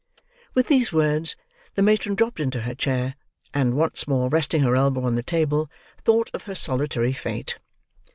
With these words, the matron dropped into her chair, and, once more resting her elbow on the table, thought of her solitary fate.